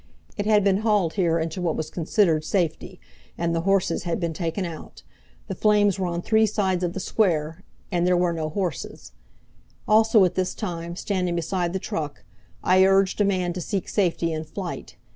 It had been hauled here into what was considered safety, and the horses had been taken out. The flames were on three sides of the Square and there were no horses. Also, at this time, standing beside the truck, I urged a man to seek safety in flight.